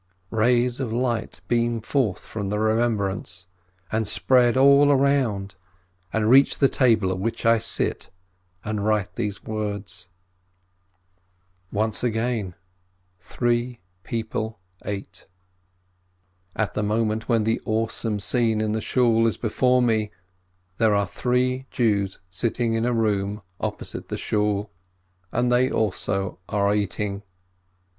Rays of light beam forth from the remembrance, and spread all around, and reach the table at which I sit and write these words. 278 PRISCHMANN Once again: three people ate. At the moment when the awesome scene in the Shool is before me, there are three Jews sitting in a room opposite the Shool, and they also are eating.